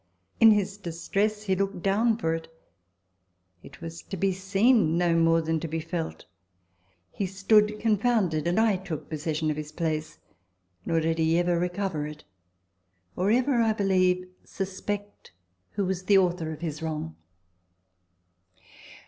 In his distress he looked down for it ; it was to be seen no more than to be felt. He stood confounded, and I took possession of his place ; nor did he ever recover it ; or ever, I believe, suspect who was the author of his wrong.